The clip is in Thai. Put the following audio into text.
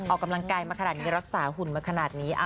ออกกำลังกายมาขนาดนี้รักษาหุ่นมาขนาดนี้